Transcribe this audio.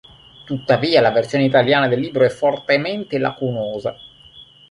Tuttavia la versione italiana del libro è fortemente lacunosa.